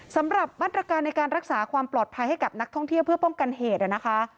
สำหรับมาตรการในการรักษาความปลอดภัยให้กับนักท่องเที่ยวเพื่อป้องกันเหตุนะคะ